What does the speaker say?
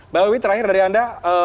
mbak wiwi terakhir dari anda